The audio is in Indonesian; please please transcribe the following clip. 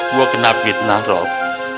gue kena fitnah rob